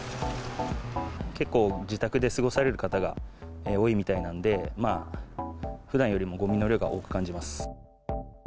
結構、自宅で過ごされる方が多いみたいなんで、ふだんよりもごみの量が多く感じます。